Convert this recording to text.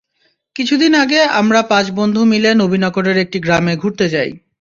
কিছুদিন আগে আমরা পাঁচ বন্ধু মিলে নবীনগরের একটি গ্রামে ঘুরতে যাই।